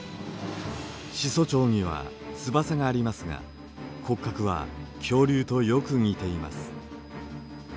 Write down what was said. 始祖鳥には翼がありますが骨格は恐竜とよく似ています。